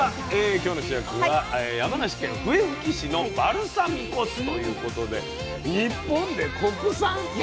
今日の主役は山梨県笛吹市の「バルサミコ酢」ということで日本で国産？